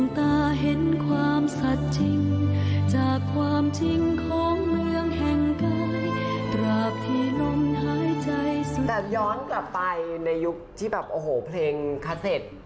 แต่ย้อนกลับไปในยุคที่เพลงคาเซ็ต